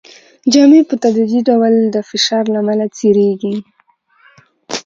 جامې په تدریجي ډول د فشار له امله څیریږي.